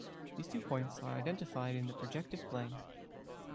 These two points are identified in the projective plane.